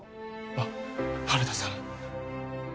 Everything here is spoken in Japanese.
あっ原田さん